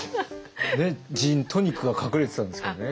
「ジントニック」が隠れてたんですけどね。